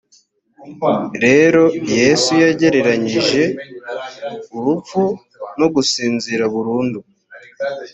rero yesu yagereranyije urupfu no gusinzira burundu